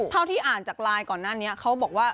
เท่าที่อ่านจากไลน์ก่อนหน้านี้เขาบอกว่า